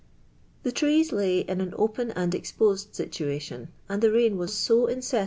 The trees lay in an open :in>l exp>i«ed situation, and the rain was so ii:cc«.